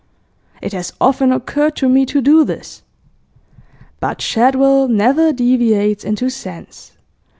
It has often occurred to me to do this. "But Shadwell never deviates into sense."